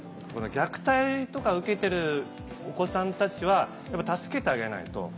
虐待とか受けてるお子さんたちは助けてあげないと。